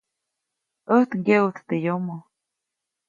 ʼÄjt ŋgeʼuʼt teʼ yomoʼ.